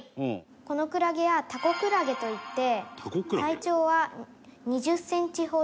このクラゲはタコクラゲといって体長は２０センチほどになります。